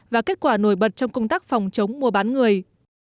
và kết quả nổi bật trong công tác phòng chống mua bán người